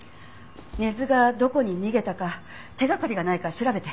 根津がどこに逃げたか手掛かりがないか調べて。